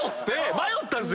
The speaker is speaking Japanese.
迷ったんです。